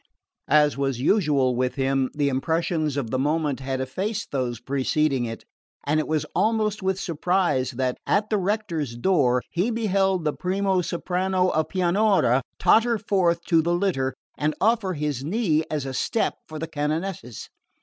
As was usual with him, the impressions of the moment had effaced those preceding it, and it was almost with surprise that, at the rector's door, he beheld the primo soprano of Pianura totter forth to the litter and offer his knee as a step for the canonesses.